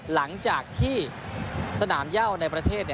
หลังจากที่สนามย่าวในประเทศ